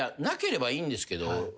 なければいいんですけど。